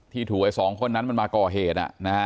ถูกไอ้สองคนนั้นมันมาก่อเหตุ